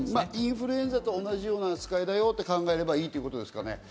インフルエンザと同じような扱いだよと考えればいいですかね。